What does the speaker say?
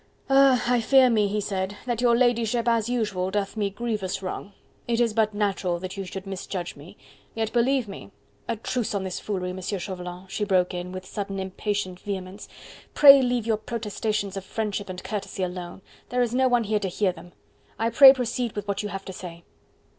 "Ah! I fear me," he said, "that your ladyship, as usual doth me grievous wrong. It is but natural that you should misjudge me, yet believe me..." "A truce on this foolery, M. Chauvelin," she broke in, with sudden impatient vehemence, "pray leave your protestations of friendship and courtesy alone, there is no one here to hear them. I pray you proceed with what you have to say."